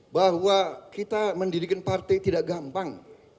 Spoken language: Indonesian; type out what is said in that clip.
bahwa kita mendidikin partai tidak gampang